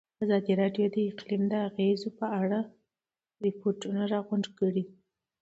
ازادي راډیو د اقلیم د اغېزو په اړه ریپوټونه راغونډ کړي.